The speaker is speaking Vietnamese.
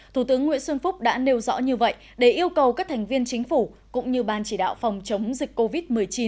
thủ tướng nguyễn xuân phúc đã nêu rõ như vậy để yêu cầu các thành viên chính phủ cũng như ban chỉ đạo phòng chống dịch covid một mươi chín